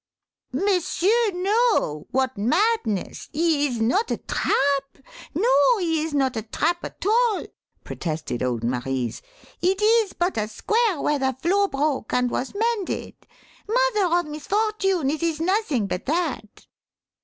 "M'sieur, no what madness! He is not a trap ? no, he is not a trap at all!" protested old Marise. "It is but a square where the floor broke and was mended! Mother of misfortune, it is nothing but that."